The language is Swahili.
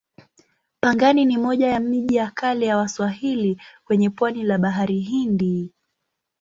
Pangani ni moja ya miji ya kale ya Waswahili kwenye pwani la Bahari Hindi.